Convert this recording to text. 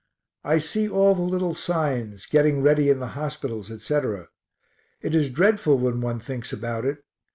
I see all the little signs, geting ready in the hospitals, etc.; it is dreadful when one thinks about it.